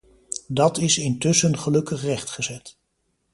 Dat is intussen gelukkig rechtgezet.